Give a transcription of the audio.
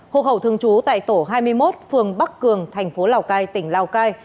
hộ khẩu thường trú tại tổ hai mươi một phường bắc cường thành phố lào cai tỉnh lào cai